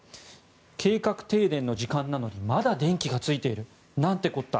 計画停電の時間なのにまだ電気がついているなんてこった！